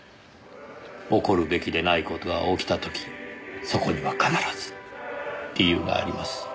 起こるべきでない事が起きた時そこには必ず理由があります。